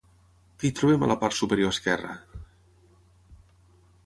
Què hi trobem a la part superior esquerra?